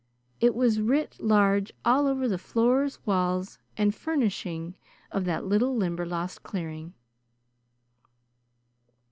It was writ large all over the floor, walls, and furnishing of that little Limberlost clearing.